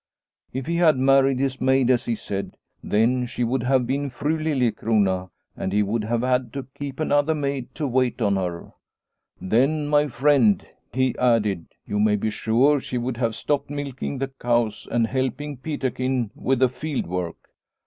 If he had married his maid, as he said, then she would have been Fru Liliecrona, and he would have had to keep another maid to wait on her. ' Then, my friend/ he added, ' you may be sure she would have stopped milking the cows and helping Peterkin with the field work.